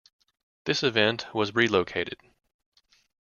This event was relocated.